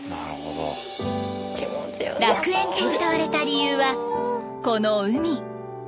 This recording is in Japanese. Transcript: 楽園とうたわれた理由はこの海。